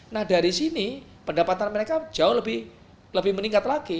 nah dari sini pendapatan mereka jauh lebih meningkat lagi